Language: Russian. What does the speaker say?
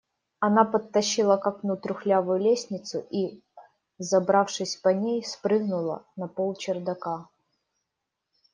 Она подтащила к окну трухлявую лестницу и, взобравшись по ней, спрыгнула на пол чердака.